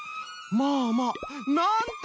まあまあ！なんて